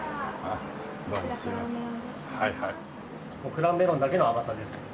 クラウンメロンだけの甘さですね。